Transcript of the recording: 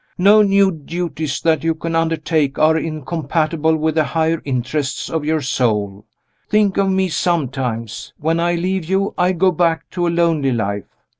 No new duties that you can undertake are incompatible with the higher interests of your soul. Think of me sometimes. When I leave you I go back to a lonely life.